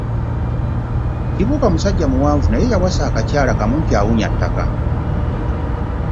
Kibuuka musajja muwanvu naye yawasa akakyala ka mumpi awunya ttaka.